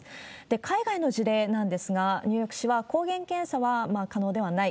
海外の事例なんですが、ニューヨーク市は抗原検査は可能ではない。